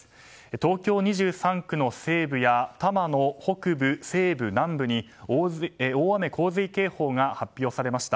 東京２３区の西部や多摩の北部、西部、南部に大雨洪水警報が発表されました。